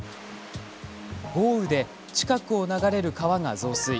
豪雨で近くを流れる川が増水。